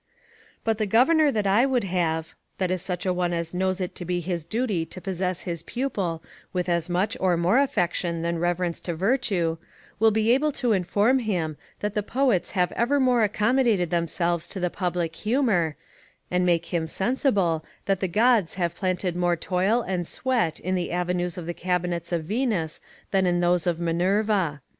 But the governor that I would have, that is such a one as knows it to be his duty to possess his pupil with as much or more affection than reverence to virtue, will be able to inform him, that the poets have evermore accommodated themselves to the public humour, and make him sensible, that the gods have planted more toil and sweat in the avenues of the cabinets of Venus than in those of Minerva.